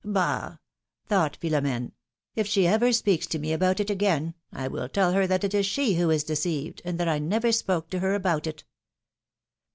Bah !" thought Philom^ne, if she ever speaks to me about it again, I will tell her that it is she who is deceived, and that I never spoke to her about it."